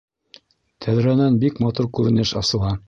Тәҙрәнән бик матур күренеш асыла